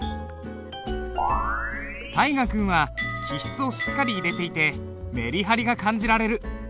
大河君は起筆をしっかり入れていてメリハリが感じられる。